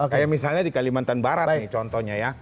kayak misalnya di kalimantan barat nih contohnya ya